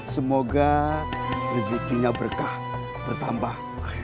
semoga rezikinya berkah bertambah